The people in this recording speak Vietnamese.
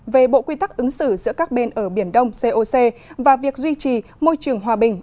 về bộ quy tắc ứng xử giữa các bên ở biển đông coc và việc duy trì môi trường hòa bình